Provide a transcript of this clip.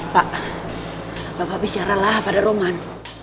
pak bapak bicara lah pada roman